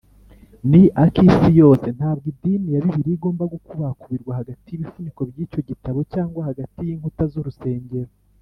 ni ak’isi yose ntabwo idini ya bibiliya igomba gukubakubirwa hagati y’ibifuniko by’icyo gitabo cyangwa hagati y’inkuta z’urusengero